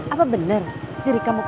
apa bener sirikamu pindah